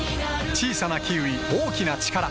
小さなキウイ、大きなチカラ